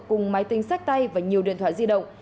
cùng máy tính sách tay và nhiều điện thoại di động